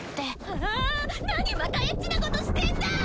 ああ何またエッチなことしてんだ！